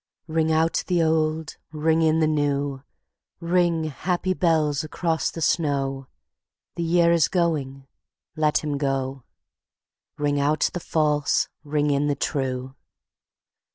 Ring out the old, ring in the new, Ring, happy bells, across the snow: The year is going, let him go; Ring out the false, ring in the true.